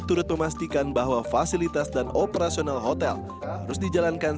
turut memastikan bahwa fasilitas dan operasional hotel harus dijalankan